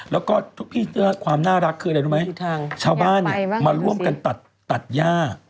แล้วก็ทุกที่ความน่ารักคืออะไรรู้ไหมชาวบ้านมาร่วมกันตัดย่า